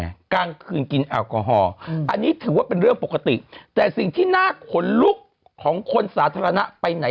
นี่นี่นี่นี่นี่นี่นี่นี่นี่นี่นี่นี่นี่นี่นี่นี่